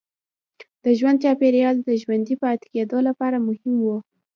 د ژوند چاپېریال د ژوندي پاتې کېدو لپاره مهم و.